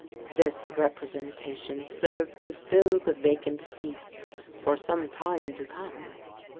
This representation served to fill the vacant seats for some time to come.